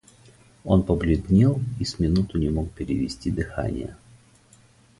Он побледнел и с минуту не мог перевести дыхания.